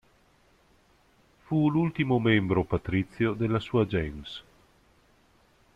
Fu l'ultimo membro patrizio della sua gens.